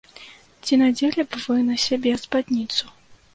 Ці надзелі б вы на сябе спадніцу?